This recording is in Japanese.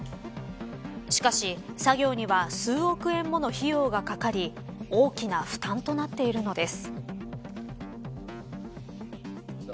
しかし、作業には数億円もの費用がかかり大きな負担となっているのです。